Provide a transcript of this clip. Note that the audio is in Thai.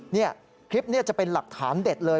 นี่คลิปนี้จะเป็นหลักฐานเด็ดเลย